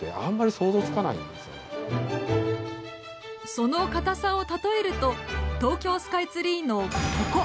その硬さを例えると東京スカイツリーのここ！